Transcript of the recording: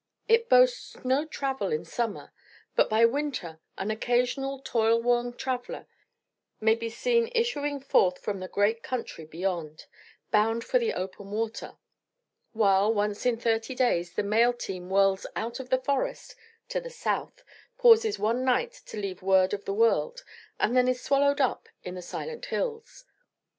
It boasts no travel in summer, but by winter an occasional toil worn traveller may be seen issuing forth from the Great Country beyond, bound for the open water; while once in thirty days the mail team whirls out of the forest to the south, pauses one night to leave word of the world, and then is swallowed up in the silent hills.